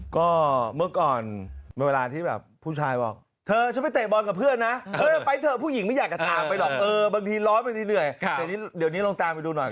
ก็เมื่อก่อนเป็นเวลาที่แบบผู้ชายบอกเธอจะไปเตะบอลกับเพื่อนนะ